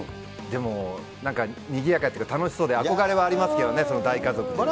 でもなんか、にぎやかっていうか、楽しそうで、憧れはありますけどね、その大家族というか。